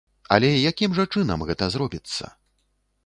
Але якім жа чынам гэта зробіцца?